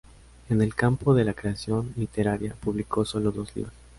En el campo de la creación literaria, publicó solo dos libros.